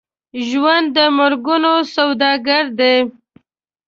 ژوند د مرګونو سوداګر دی.